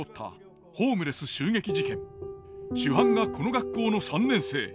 主犯がこの学校の３年生。